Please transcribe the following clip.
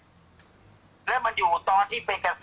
แม่ยังคงมั่นใจและก็มีความหวังในการทำงานของเจ้าหน้าที่ตำรวจค่ะ